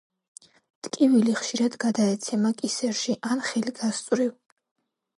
ტკივილი ხშირად გადაეცემა კისერში ან ხელი გასწვრივ.